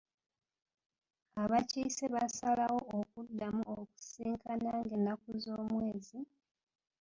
Abakiise baasalawo okuddamu okusisinkana ng’ennaku z’omwezi.